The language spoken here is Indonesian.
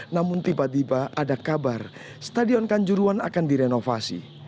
namun tiba tiba ada kabar stadion kanjuruan akan direnovasi